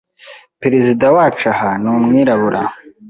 Perezida wacu aha ni umwirabura,